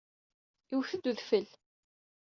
Iwet-d udfel.